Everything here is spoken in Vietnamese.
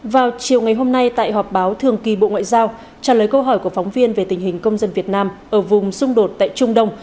vào chiều ngày hôm nay tại họp báo thường kỳ bộ ngoại giao trả lời câu hỏi của phóng viên về tình hình công dân việt nam ở vùng xung đột tại trung đông